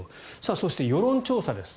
そして、世論調査です。